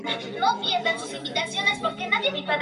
Jugaba como mediocampista y su club de debut fue Rosario Central.